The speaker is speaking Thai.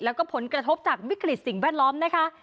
แล้วก็ผลกระทบจากวิกฤตสิ่งแวดล้อมนะคะ